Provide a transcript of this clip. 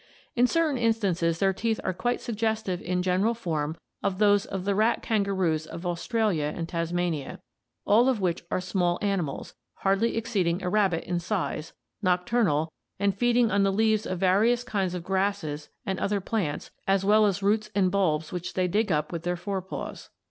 In certain instances their teeth are quite suggestive in general form of those of the rat kangaroos of Australia and Tasmania, all of which are small animals, hardly exceeding a rabbit in size, nocturnal, and feeding on the leaves of various kinds of grasses and other plants as well as roots and bulbs which they dig up with their fore paws.